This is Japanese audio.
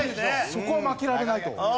そこは負けられないと。